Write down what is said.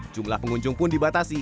jumlah pengunjung pun dibatasi